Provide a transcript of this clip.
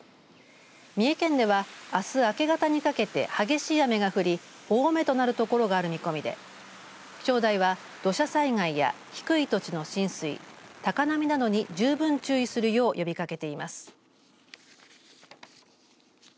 三重県では、あす明け方にかけて激しい雨が降り大雨となる所がある見込みで気象台は土砂災害や低い土地の浸水高波などに十分注意するよう呼びかけています。